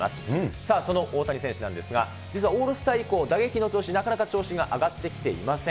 さあその大谷選手なんですが、実はオールスター以降、打撃の調子、なかなか調子が上がってきていません。